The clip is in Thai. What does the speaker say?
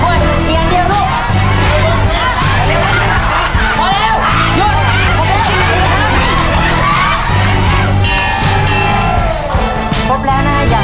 อุ้มไปกับคันนั้น